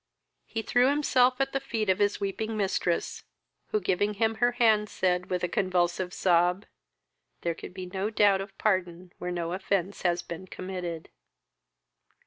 He threw himself at the feet of his weeping mistress, who, giving him her hand, said, with a convulsive sob, "There could be no doubt of pardon where no offence had been committed."